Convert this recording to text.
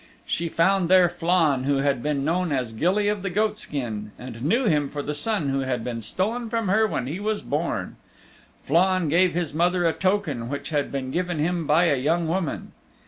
She found there Flann who had been known as Gilly of the Goatskin, and knew him for the son who had been stolen from her when he was born. Flann gave his mother a token which had been given him by a young woman.